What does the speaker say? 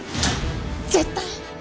絶対！